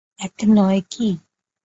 এক নয় কি?